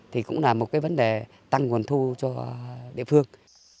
thì cũng là một cái vấn đề tăng nguồn thu cho địa phương